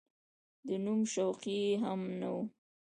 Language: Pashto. د نوم شوقي یې هم نه و.